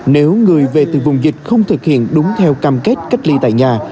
nếu người về từ vùng dịch không thực hiện đúng theo cam kết cách ly tại nhà